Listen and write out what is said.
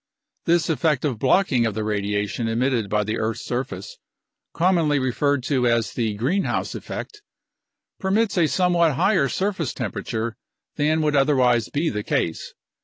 This effective blocking of the radiation emitted by the earth's surface, commonly referred to as the greenhouse effect, permits a somewhat higher surface temperature than would otherwise be the case.